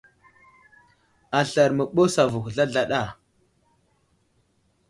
Aslər i məɓəs avuhw zlazlaɗa.